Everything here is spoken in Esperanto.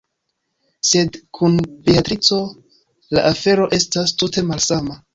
Sed kun Beatrico la afero estas tute malsama.